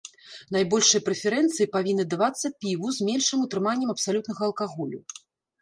Найбольшыя прэферэнцыі павінны давацца піву з меншым утрыманнем абсалютнага алкаголю.